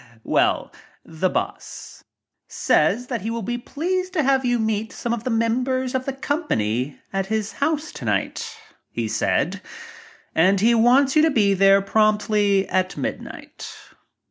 , well, the boss, says that he will be pleased to have you meet some of the members of the company at his house tonight," he said, "and he wants you to be there promptly at midnight."